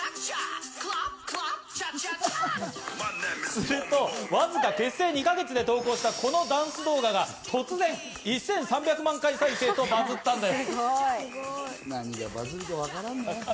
すると、わずか結成２か月で投稿したこのダンス動画が突然１３００万回再生とバズッたんです。